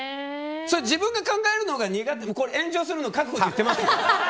自分が考えるのがこれは炎上するの覚悟で言ってますよ。